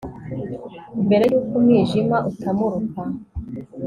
mbere y'uko umwijima utamuruka